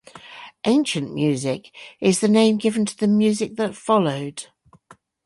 "Ancient music" is the name given to the music that followed.